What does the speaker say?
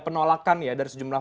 penolakan ya dari sejumlah